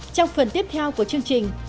trong phần tiếp theo của chương trình